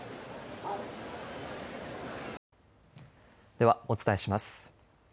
ではお伝えします。